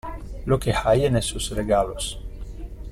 Lo que hay en esos regalos.